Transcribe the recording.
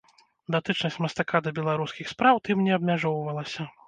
Датычнасць мастака да беларускіх спраў тым не абмяжоўвалася.